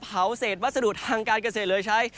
เผาเศษวัสดุทางการเกษตรเลยใช้